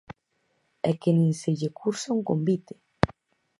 É que nin se lle cursa un convite!